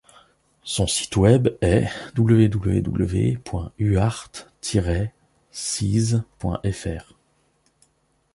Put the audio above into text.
Son site web est www.uhart-cize.fr.